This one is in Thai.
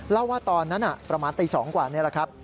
เล่าว่าตอนนั้นประมาณตี๒กว่านี่แหละครับ